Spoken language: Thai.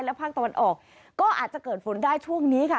ภาคตะวันออกก็อาจจะเกิดฝนได้ช่วงนี้ค่ะ